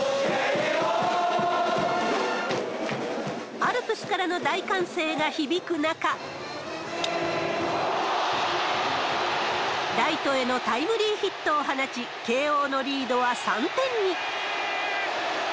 アルプスからの大歓声が響く中、ライトへのタイムリーヒットを放ち、慶応のリードは３点に。